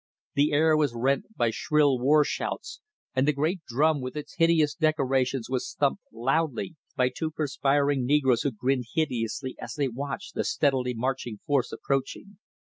The air was rent by shrill war shouts, and the great drum with its hideous decorations was thumped loudly by two perspiring negroes who grinned hideously as they watched the steadily marching force approaching.